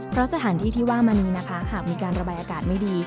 เพราะสถานที่ที่ว่ามานี้นะคะหากมีการระบายอากาศไม่ดี